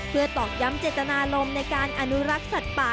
เพื่อตอกย้ำเจตนารมณ์ในการอนุรักษ์สัตว์ป่า